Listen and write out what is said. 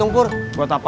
bang kopinya nanti aja ya